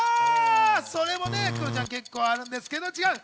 それもね、クロちゃん、結構あるんですけど違う。